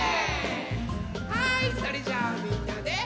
はいそれじゃあみんなで。